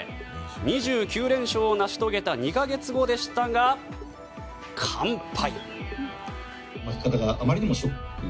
２９連勝を成し遂げた２か月後でしたが完敗。